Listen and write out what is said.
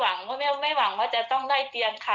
ถ้าไม่ได้เตียนมาค่ะก็ไม่หวังว่าจะต้องได้เตียนค่ะ